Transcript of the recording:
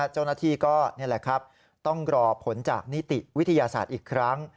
เจ้าหน้าที่ก็ต้องรอผลจากนิติวิทยาศาสตร์อีกครั้ง